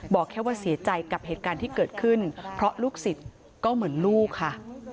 บอกแค่ว่าเสียใจกับเหตุการณ์ที่เกิดขึ้นเพราะลูกศิษย์ก็เหมือนลูกค่ะ